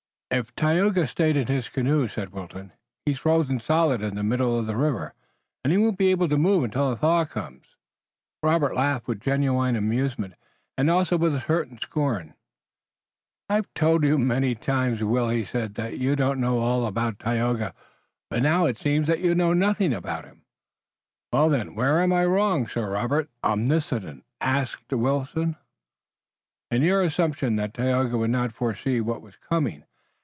"If Tayoga stayed in his canoe," said Wilton, "he's frozen solidly in the middle of the river, and he won't be able to move it until a thaw comes." Robert laughed with genuine amusement and also with a certain scorn. "I've told you many times, Will," he said, "that you didn't know all about Tayoga, but now it seems that you know nothing about him." "Well, then, wherein am I wrong, Sir Robert the Omniscient?" asked Wilton. "In your assumption that Tayoga would not foresee what was coming.